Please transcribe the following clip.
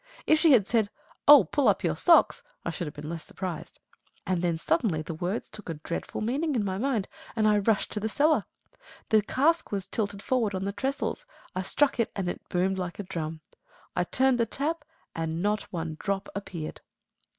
If she had said "Oh, pull up your socks!" I should have been less surprised. And then suddenly the words took a dreadful meaning in my mind, and I rushed to the cellar. The cask was tilted forward on the trestles. I struck it and it boomed like a drum. I turned the tap, and not one drop appeared.